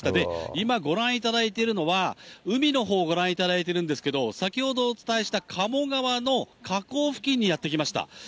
今、ご覧いただいているのは、海のほうご覧いただいているんですけど、先ほどお伝えした加茂川の河口付近にやって来ました。